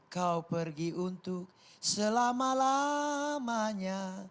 kau pergi untuk selama lamanya